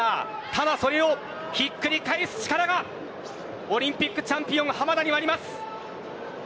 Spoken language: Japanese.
ただそれをひっくり返す力がオリンピックチャンピオンの濱田にはあります。